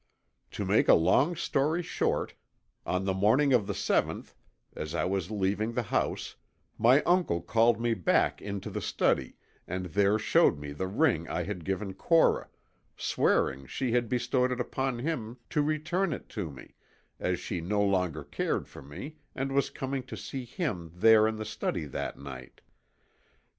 "To make a long story short, on the morning of the seventh, as I was leaving the house, my uncle called me back into the study and there showed me the ring I had given Cora, swearing she had bestowed it upon him to return it to me, as she no longer cared for me and was coming to see him there in the study that night.